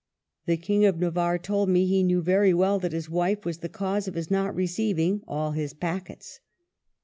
The King of Navarre told me he knew very well that his wife was the cause of his not receiving all his packets."